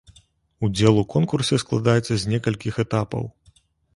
Удзел у конкурсе складаецца з некалькіх этапаў.